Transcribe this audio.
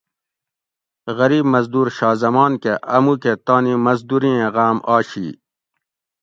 غریب مزدور شاہ زمان کہ آ مُوکہ تانی مزدورئیں غام آشی